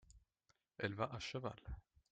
elle va à cheval.